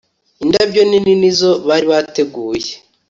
indabyo nini nizo bari bateguye